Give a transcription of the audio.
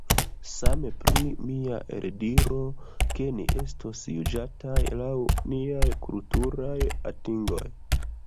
Same pri mia eldiro ke ni estos juĝataj laŭ niaj kulturaj atingoj.